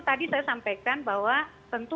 tadi saya sampaikan bahwa tentu